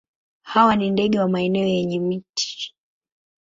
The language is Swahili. Hawa ni ndege wa maeneo yenye miti.